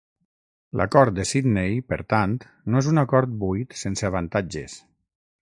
L'Acord de Sydney per tant no és un acord buit sense avantatges.